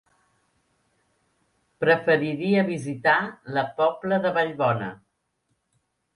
Preferiria visitar la Pobla de Vallbona.